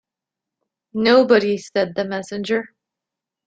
‘Nobody,’ said the messenger.